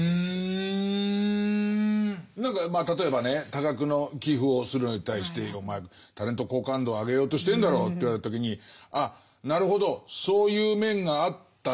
何か例えばね多額の寄付をするのに対して「お前タレント好感度を上げようとしてるんだろう」と言われた時にあなるほどそういう面があったな。